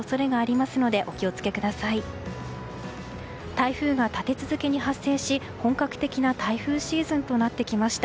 台風が立て続けに発生し本格的な台風シーズンとなってきました。